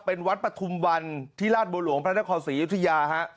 เป็นวัดปฐุมวันที่ราชบัวหลวงพระนครศรียุธยาฮะ